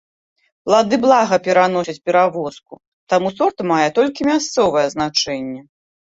Плады блага пераносяць перавозку, таму сорт мае толькі мясцовае значэнне.